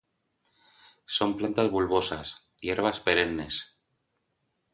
Son plantas bulbosas, hierbas perennes.